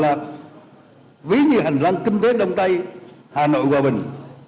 tuyến vào tốc quả lợi ví như hành doanh kinh tế đông tây hà nội hòa bình